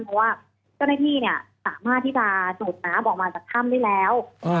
เพราะว่าเจ้าหน้าที่เนี่ยสามารถที่จะสูดน้ำออกมาจากถ้ำได้แล้ว